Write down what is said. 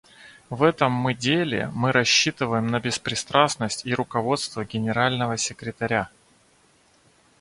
В этом мы деле мы рассчитываем на беспристрастность и руководство Генерального секретаря.